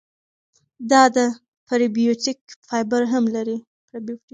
دا د پری بیوټیک فایبر هم لري.